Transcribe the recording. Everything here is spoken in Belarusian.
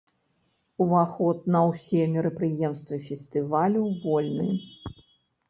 Уваход на ўсе мерапрыемствы фестывалю вольны.